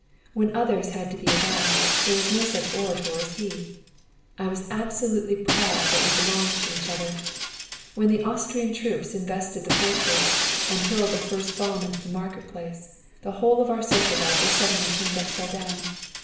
When others had to be aroused, there was no such orator as he. I was absolutely proud that we belonged to each other. When the Austrian troops invested the fortress, and hurled the first bomb into the market place, the whole of our social life was suddenly turned upside down.